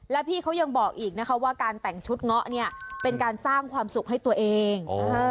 แล้วพี่เขายังบอกอีกนะคะว่าการแต่งชุดเงาะเนี่ยเป็นการสร้างความสุขให้ตัวเอง